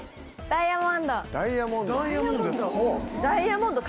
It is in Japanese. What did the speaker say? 「ダイヤモンド」。